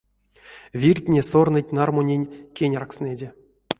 Виртне сорныть нармунень кеняркстнэде.